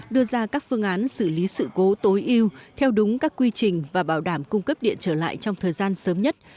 đưa ra các phương án xử lý sự cố tối yêu theo đúng các quy trình và bảo đảm cung cấp điện trở lại trong thời gian sớm nhất